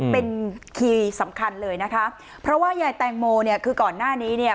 เป็นคีย์สำคัญเลยนะคะเพราะว่ายายแตงโมเนี่ยคือก่อนหน้านี้เนี่ย